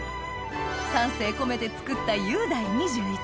丹精込めて作ったゆうだい２１